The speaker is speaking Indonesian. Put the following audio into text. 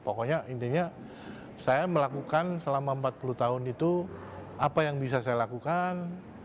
pokoknya intinya saya melakukan selama empat puluh tahun itu apa yang bisa saya lakukan